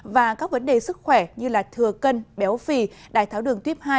và các vấn đề sức khỏe như thừa cân béo phì đài tháo đường tuyếp hai